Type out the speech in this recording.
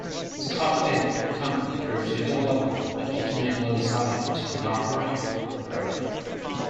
Scott Paper company pursued development, but ultimately decided to not market the product.